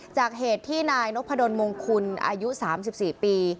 เหตุที่นายนพดลมงคุณอายุ๓๔ปี